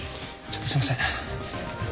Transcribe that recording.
ちょっとすいません。